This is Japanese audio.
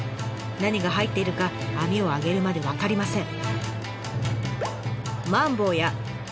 何が入っているか網を上げるまで分かりません。